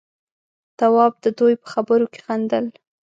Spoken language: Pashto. تواب د دوي په خبرو کې خندل.